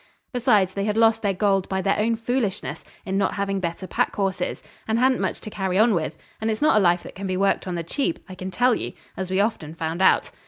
Besides, they had lost their gold by their own foolishness in not having better pack horses, and hadn't much to carry on with, and it's not a life that can be worked on the cheap, I can tell you, as we often found out.